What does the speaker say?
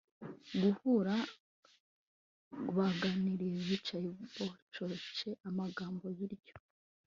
guhura baganire bicare bacoce amagambo biryo